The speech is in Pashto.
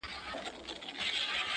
جانان پر سرو سترګو مین دی!!